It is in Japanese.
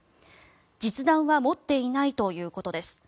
実弾は持っていないということです。